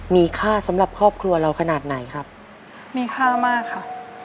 มีค่าสำหรับครอบครัวเราขนาดไหนครับมีค่ามากค่ะ